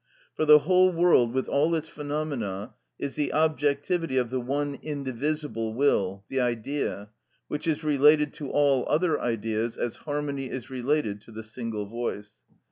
For the whole world, with all its phenomena, is the objectivity of the one indivisible will, the Idea, which is related to all other Ideas as harmony is related to the single voice.